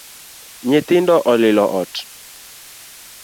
Nythindo olilo ot